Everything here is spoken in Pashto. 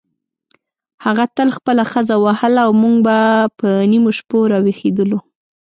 هغه تل خپله ښځه وهله او موږ به په نیمو شپو راویښېدلو.